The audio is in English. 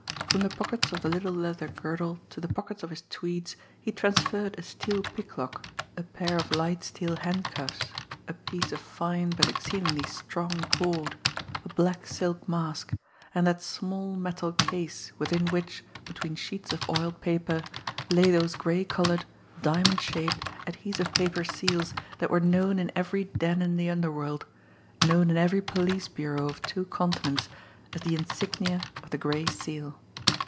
From the pockets of the little leather girdle to the pockets of his tweeds he transferred a steel picklock, a pair of light steel handcuffs, a piece of fine but exceedingly strong cord, a black silk mask, and that small metal case, within which, between sheets of oiled paper, lay those gray coloured, diamond shaped, adhesive paper seals that were known in every den in the underworld, known in every police bureau of two continents, as the insignia of the Gray Seal.